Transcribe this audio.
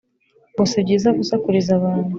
ngo sibyiza gusakuriza abantu